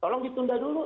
tolong ditunda dulu tuh